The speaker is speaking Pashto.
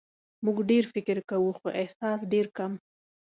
موږ ډېر فکر کوو خو احساس ډېر کم.